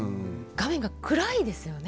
画面が暗いですよね。